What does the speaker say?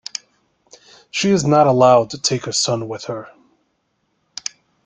She is not allowed to take her son with her.